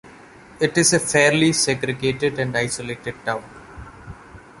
It is a fairly segregated and isolated town.